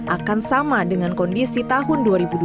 akan sama dengan kondisi tahun dua ribu dua puluh